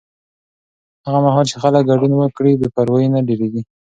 هغه مهال چې خلک ګډون وکړي، بې پروایي نه ډېریږي.